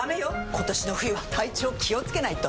今年の冬は体調気をつけないと！